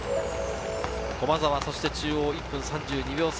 駒澤、中央、１分３２秒差。